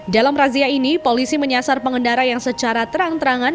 dalam razia ini polisi menyasar pengendara yang secara terang terangan